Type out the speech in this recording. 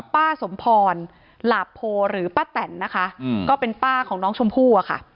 ป้าสมพรหลาโพหรือป้าแตนนะคะก็เป็นป้าของน้องชมพู่อะค่ะ